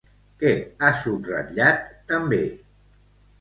Què ha subratllat també?